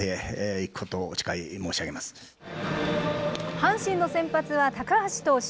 阪神の先発は高橋投手。